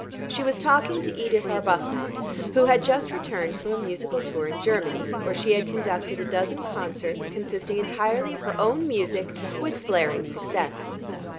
She was talking to Edith Arbuthnot, who had just returned from a musical tour in Germany, where she had conducted a dozen concerts consisting entirely of her own music with flaring success.